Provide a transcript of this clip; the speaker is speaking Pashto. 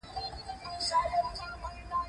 له دې همغږۍ تمدن زېږېدلی دی.